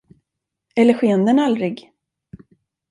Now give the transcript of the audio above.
Eller sken den aldrig?